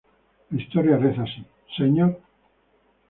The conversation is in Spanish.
La historia reza así: ""Mr.